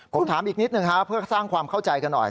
ผมถามอีกนิดหนึ่งฮะเพื่อสร้างความเข้าใจกันหน่อย